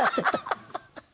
ハハハハ！